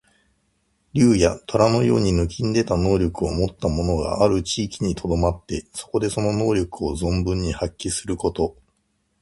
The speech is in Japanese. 竜や、とらのように抜きんでた能力をもった者がある地域にとどまって、そこでその能力を存分に発揮すること。